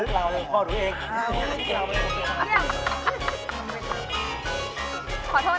พวกเราเลยขอตัวเอง